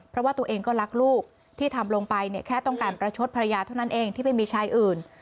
เพราะว่าตัวเองก็รักลูกที่ทำลงไปเนี่ยแค่ต้องการประชดภรรยาเท่านั้นเองที่ไปมีชายอื่น